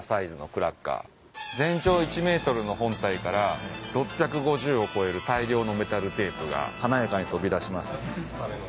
全長１ｍの本体から６５０を超える大量のメタルテープが華やかに飛び出します。